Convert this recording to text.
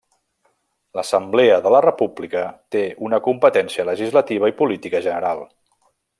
L'Assemblea de la República té una competència legislativa i política general.